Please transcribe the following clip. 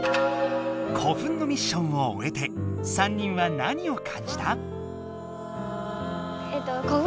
古墳のミッションをおえて３人は何をかんじた？